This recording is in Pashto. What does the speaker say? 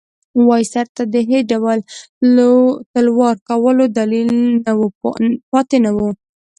وایسرا ته د هېڅ ډول تلوار کولو دلیل پاتې نه وو.